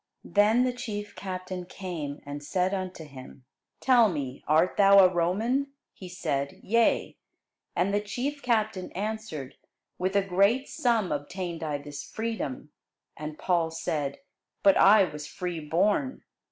Then the chief captain came, and said unto him, Tell me, art thou a Roman? He said, Yea. And the chief captain answered, With a great sum obtained I this freedom. And Paul said, But I was free born.